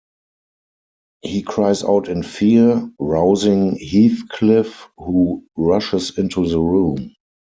He cries out in fear, rousing Heathcliff, who rushes into the room.